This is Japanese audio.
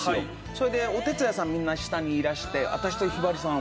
それでお手伝いさんみんな下にいらして私とひばりさん